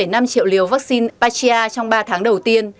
năm triệu liều vaccine patria trong ba tháng đầu tiên